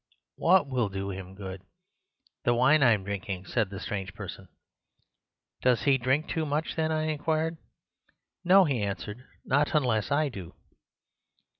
"'What will do him good?' "'The wine I'm drinking,' said the strange person. "'Does he drink too much, then?' I inquired. "'No,' he answered, 'not unless I do.